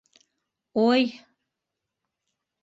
Ой!